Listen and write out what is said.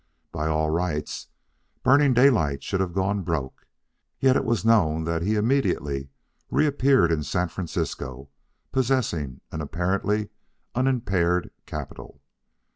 By all rights, Burning Daylight should have gone broke, yet it was known that he immediately reappeared in San Francisco possessing an apparently unimpaired capital.